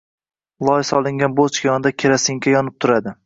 Loy solingan bochka yonida kerosinka yonib turadi.